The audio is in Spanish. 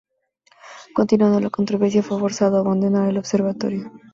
Continuando la controversia, fue forzado a abandonar el observatorio.